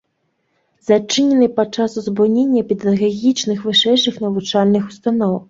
Зачынены падчас узбуйнення педагагічных вышэйшых навучальных устаноў.